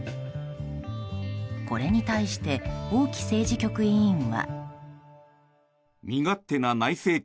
これに対して王毅政治局委員は。